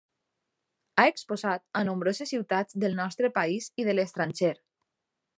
Ha exposat a nombroses ciutats del nostre país i de l'estranger.